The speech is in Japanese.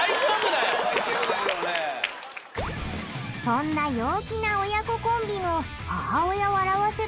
そんな陽気な親子コンビの。